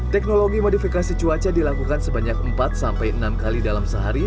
teknologi modifikasi cuaca dilakukan sebanyak empat sampai enam kali dalam sehari